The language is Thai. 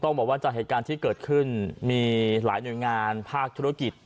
บอกว่าจากเหตุการณ์ที่เกิดขึ้นมีหลายหน่วยงานภาคธุรกิจ